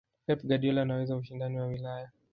pep guardiola anaweza ushindani wa ulaya